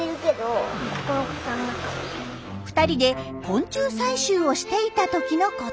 ２人で昆虫採集をしていた時のこと。